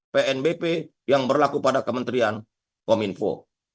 pnbp yang berlaku pada kementerian kominfo